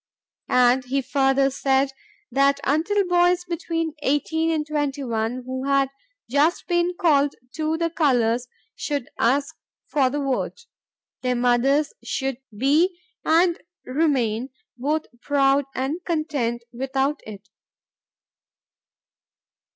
And he further said that until boys between 18 and 21 who had just been called to the colors should ask for the vote, "their mothers should be and remain both proud and content" without it.